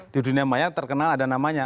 di dunia maya terkenal ada namanya